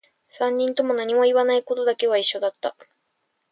三人とも何も言わないことだけは一緒だった